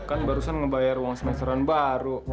kan barusan ngebayar uang semesteran baru